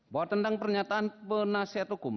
bawa tendang pernyataan penasihat hukum